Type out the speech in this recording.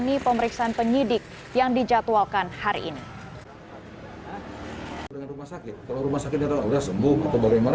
menjalani pemeriksaan penyidik yang dijatuhkan hari ini